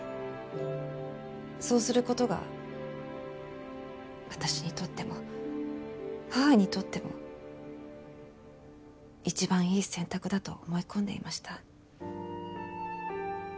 そうする事が私にとっても母にとっても一番いい選択だと思い込んでいました。